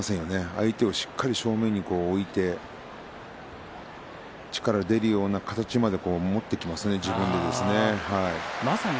相手をしっかり正面に置いて力が出るような形になるまで持っていきますよね。